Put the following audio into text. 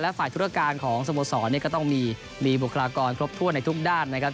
ฝ่ายธุรการของสโมสรก็ต้องมีบุคลากรครบถ้วนในทุกด้านนะครับ